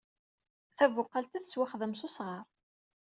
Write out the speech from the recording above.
Tabuqalt-a tettwaxdem s usɣar.